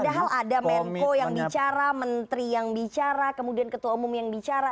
padahal ada menko yang bicara menteri yang bicara kemudian ketua umum yang bicara